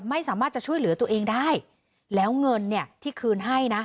ไม่สามารถจะช่วยเหลือตัวเองได้แล้วเงินเนี่ยที่คืนให้นะ